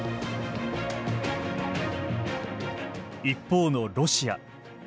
一方のロシア。